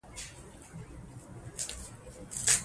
کندهار ښاروالۍ د ښاري زېربناوو د پياوړتيا